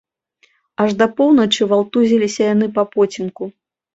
Аж да поўначы валтузіліся яны папацёмку.